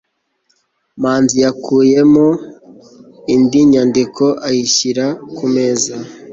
manzi yakuyemo indi nyandiko ayishyira ku meza